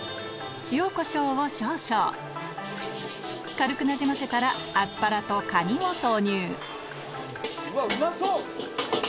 塩コショウを少々軽くなじませたらアスパラと蟹を投入うわっうまそう！